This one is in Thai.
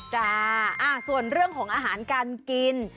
จ้าส่วนเรื่องของอาหารการกิน